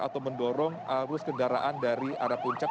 atau mendorong arus kendaraan dari arah puncak